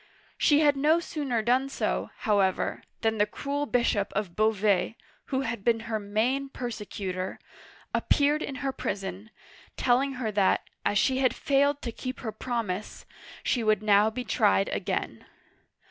She had no sooner done so, however, than the cruel Bishop of Beauvais (bo vS') — who had been her main persecutor — appeared in her prison, telling her that, as she had failed to keep her promise, she would now be tried again.